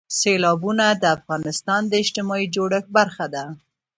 سیلابونه د افغانستان د اجتماعي جوړښت برخه ده.